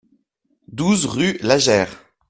douze rue Lageyre